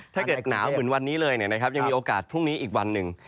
ถ้าเกิดหนาวเหมือนวันนี้เลยยังมีโอกาสพรุ่งนี้อีกวันหนึ่ง